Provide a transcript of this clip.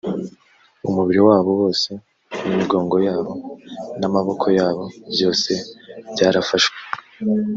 umubiri wabo wose n’imigongo yabo n’amaboko yabo byose byarafashwe